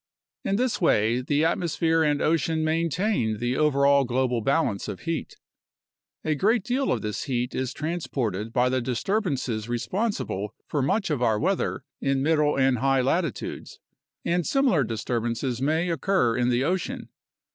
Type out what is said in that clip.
In this way, the atmosphere and ocean maintain the overall global balance of heat. A great deal of this heat is transported by the disturbances re sponsible for much of our weather in middle and high latitudes, and similar disturbances may occur in the ocean.